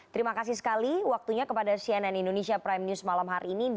terima kasih sekali waktunya kepada cnn indonesia prime news malam hari ini